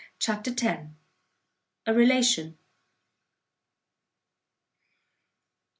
CHAPTER x. A RELATION.